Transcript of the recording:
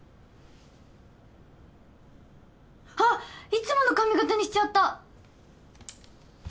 いつもの髪形にしちゃった！